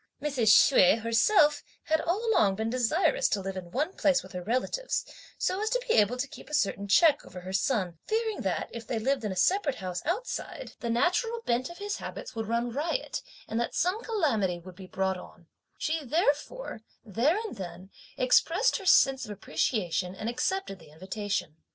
Mrs. Hsüeh herself had all along been desirous to live in one place with her relatives, so as to be able to keep a certain check over her son, fearing that, if they lived in a separate house outside, the natural bent of his habits would run riot, and that some calamity would be brought on; and she therefore, there and then, expressed her sense of appreciation, and accepted the invitation.